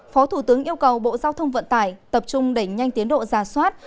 phó thủ tướng yêu cầu bộ giao thông vận tải tập trung đẩy nhanh tiến độ giả soát